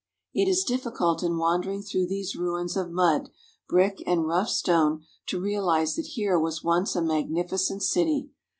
It is difficult in wandering through these ruins of mud, brick, and rough stone to realize that here was once a magnificent city.